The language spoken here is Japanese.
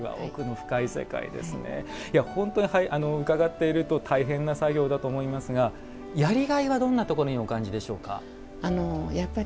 本当に伺っていると大変な作業だと思いますがやりがいはどんなところにお感じでしょうか？